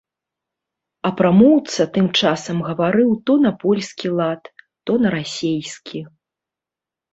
А прамоўца тым часам гаварыў то на польскі лад, то на расейскі.